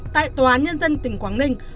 tại tòa án nhân dân tỉnh quảng ninh